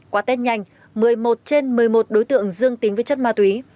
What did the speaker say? qua test nhanh một mươi một trên một mươi một đối tượng dương tính với chất ma túy